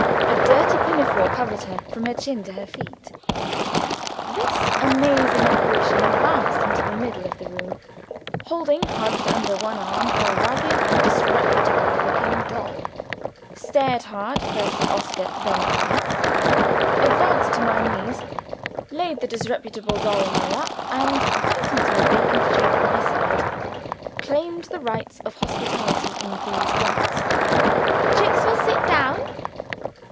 A dirty pinafore covered her from her chin to her feet. This amazing apparition advanced into the middle of the room, holding hugged under one arm a ragged and disreputable looking doll; stared hard, first at Oscar, then at me; advanced to my knees; laid the disreputable doll on my lap; and, pointing to a vacant chair at my side, claimed the rights of hospitality in these words: "Jicks will sit down."